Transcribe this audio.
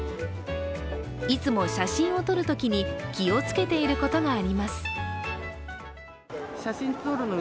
いつも写真を撮るときに気をつけていることがあります。